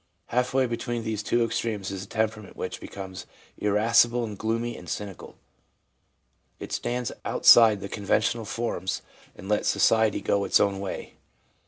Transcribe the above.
Half way between these two extremes is the temperament which becomes irascible and gloomy and cynical. It stands outside of the conventional forms and lets society go its own way.